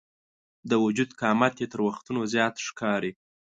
د وجود قامت یې تر وختونو زیات ښکاري.